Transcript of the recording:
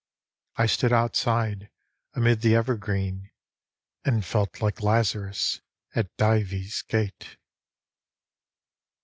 I stood outside amid the evergreen, And felt like Lazarus at Dives' gate.